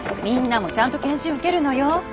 みんなもちゃんと検診受けるのよ。